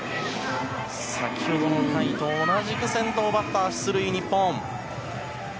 先ほどの回と同じく先頭バッター出塁、日本。